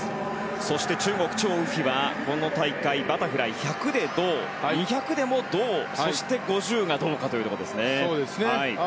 そして中国チョウ・ウヒはこの大会バタフライ１００で銅２００でも銅、そして５０はどうかというところですね。